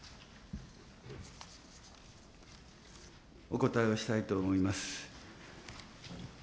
お答えをしたいと思います。